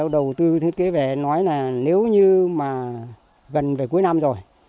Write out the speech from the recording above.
đầu tư thiết kế về nói là nếu như mà gần về cuối năm rồi